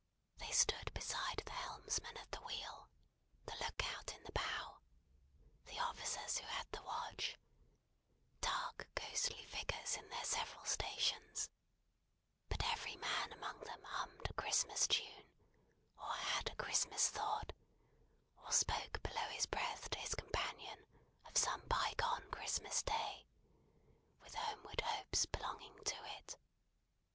They stood beside the helmsman at the wheel, the look out in the bow, the officers who had the watch; dark, ghostly figures in their several stations; but every man among them hummed a Christmas tune, or had a Christmas thought, or spoke below his breath to his companion of some bygone Christmas Day, with homeward hopes belonging to it.